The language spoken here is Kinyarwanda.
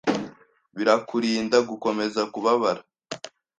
Birakurinda gukomeza kubabara